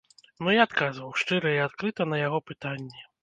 Ну, і адказваў шчыра і адкрыта на яго пытанні.